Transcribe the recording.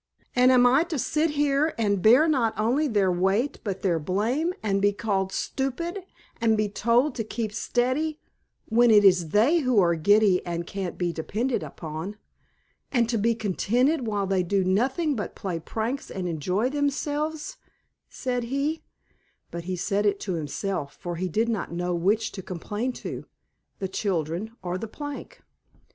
"And I am to sit here; and bear not only their weight but their blame, and be called stupid and be told to keep steady, when it is they who are giddy and can't be depended upon; and to be contented, while they do nothing but play pranks and enjoy themselves," said he; but he said it to himself, for he did not know which to complain to the children or the plank.